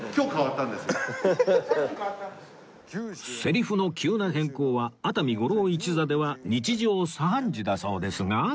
セリフの急な変更は熱海五郎一座では日常茶飯事だそうですが